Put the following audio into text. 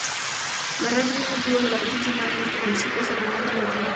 Los rastros más antiguos de presencia humana en este municipio se remontan al Neolítico.